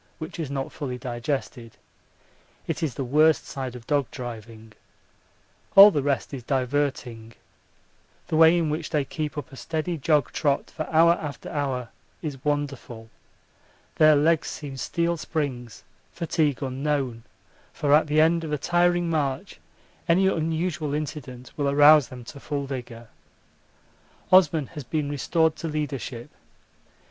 which is not fully digested. It is the worst side of dog driving. All the rest is diverting. The way in which they keep up a steady jog trot for hour after hour is wonderful. Their legs seem steel springs, fatigue unknown for at the end of a tiring march any unusual incident will arouse them to full vigour. Osman has been restored to leadership.